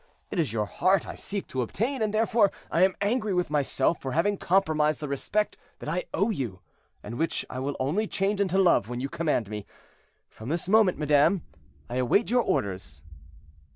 It is your heart I seek to obtain, and therefore I am angry with myself for having compromised the respect that I owe you, and which I will only change into love when you command me. From this moment, madame, I await your orders."